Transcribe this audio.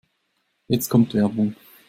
Jetzt kommt Werbung.